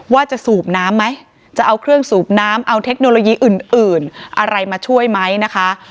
ว่าจะสูบน้ำไหมจะเอาเครื่องสูบน้ำเอาเทคโนโลยีอื่นอะไรมาช่วยไหมนะคะ